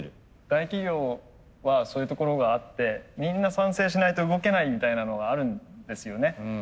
大企業はそういうところがあってみんな賛成しないと動けないみたいなのがあるんですよね。